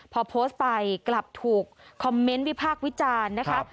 พอโพสต์ไปกลับถูกคอมเมนต์วิพากษ์วิจารณ์นะคะ